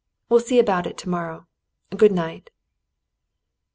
We'll see about it to morrow. Good night."